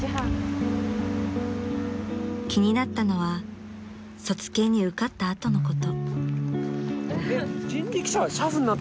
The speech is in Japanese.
［気になったのは卒検に受かった後のこと］